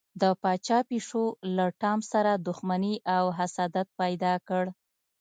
د پاچا پیشو له ټام سره دښمني او حسادت پیدا کړ.